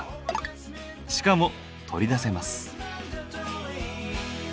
しかも取り出せます。